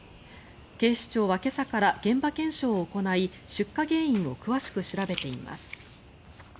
警視庁は今朝から現場検証を行い出火原因を詳しく調べています。